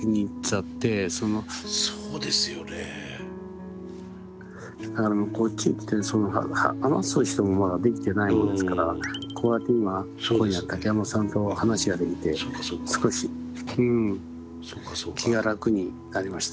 あのこっちへ来てその話す人もまだできてないもんですからこうやって今今夜竹山さんと話ができて少しうん気が楽になりました。